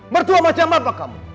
mertua macam apa kamu